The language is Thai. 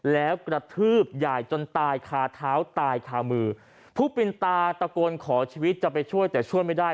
แล้วกระทืบยายจนตายคาเท้าตายคามือผู้เป็นตาตะโกนขอชีวิตจะไปช่วยแต่ช่วยไม่ได้